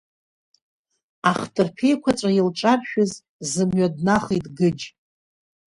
Ахҭырԥа еиқәаҵәа илҿаршәыз зымҩа днахеит Гыџь.